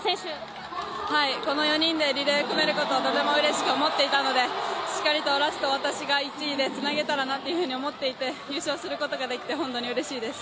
この４人でリレーを組めることとてもうれしく思っていたのでしっかりとラストを私が１位でつなげたらなと思っていて優勝することができて本当にうれしいです。